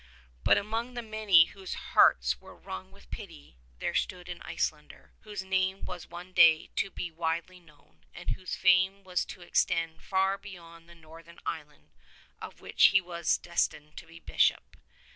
But among the many whose hearts were wrung with pity there stood an Icelander whose name was one day to be widely known, and whose fame was to extend far beyond the northern island of which he was destined to be Bishop.